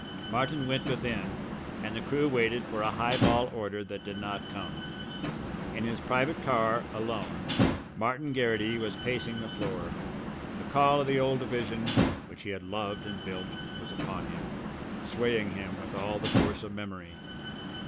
Martin went within and the crew waited for a high ball order that did not come. In his private car, alone, Martin Garrity was pacing the floor. The call of the old division, which he had loved and built, was upon him, swaying him with all the force of memory.